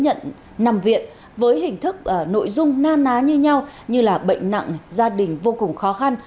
nhận nằm viện với hình thức nội dung na ná như nhau như là bệnh nặng gia đình vô cùng khó khăn